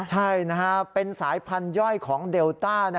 ใช่เป็นสายพันธย่อยของเดลต้า